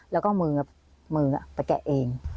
และมือไปแกะเอง